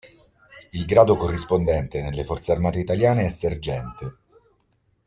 Il grado corrispondente nelle forze armate italiane è sergente.